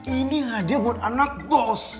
ini hadiah buat anak gos